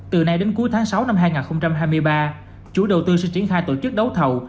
từ nay đến cuối tháng sáu năm hai nghìn hai mươi ba chủ đầu tư sẽ triển khai tổ chức đấu thầu